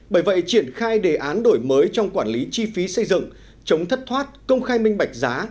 bởi vậy triển khai đề án đổi mới trong quản lý chi phí xây dựng chống thất thoát công khai minh bạch giá